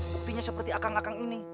buktinya seperti akang akang ini